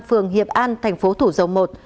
phường hiệp an tp thủ dầu một